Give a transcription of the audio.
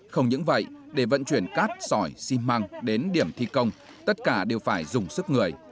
không những vậy để vận chuyển cát sỏi xi măng đến điểm thi công tất cả đều phải dùng sức người